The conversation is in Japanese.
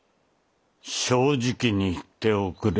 正直に言っておくれ。